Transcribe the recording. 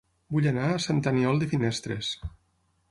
Vull anar a Sant Aniol de Finestres